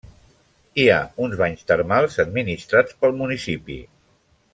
Hi ha uns banys termals administrats pel municipi.